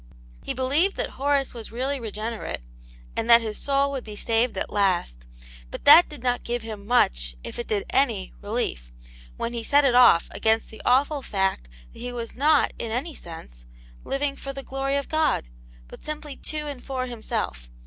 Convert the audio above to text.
He believed that Horace was really regenerate, a nd that his soul would be saved at last ; but that did not give him much, if it did any, relief, when he set it off against the awful fact that he was not, in any sense, living forthe glory of God, but simply to and for himself.